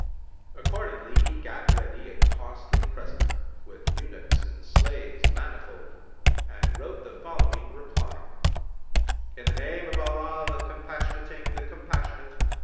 Accordingly he gat ready a costly present, with eunuchs and slaves manifold, and wrote the following reply, "In the name of Allah the Compassionating, the Compassionate!